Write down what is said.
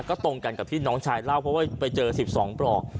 ก็ตรงกันกับที่น้องชายเล่าเพราะว่าไปเจอ๑๒ปลอก